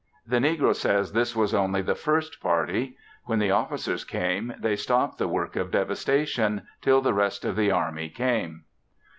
The negro says this was only the first party. When the officers came they stopped the work of devastation, till the rest of the army came.